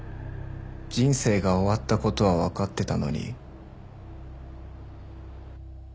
人生が終わった事はわかってたのに。